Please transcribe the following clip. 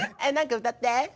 え何か歌って。